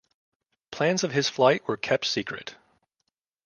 Plans of his flight were kept secret.